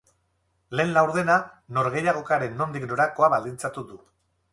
Lehen laurdenak norgehiagokaren nondik norakoa baldintzatu du.